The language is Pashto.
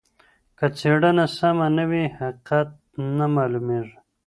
که څېړنه سمه نه وي حقیقت نه معلوميږي.